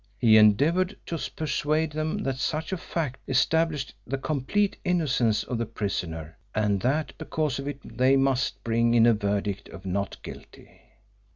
He endeavoured to persuade them that such a fact established the complete innocence of the prisoner and that because of it they must bring in a verdict of "not guilty."